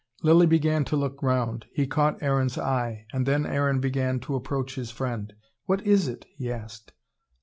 Lilly began to look round. He caught Aaron's eye. And then Aaron began to approach his friend. "What is it?" he asked.